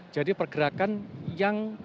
jadi pergerakan yang tidak mudah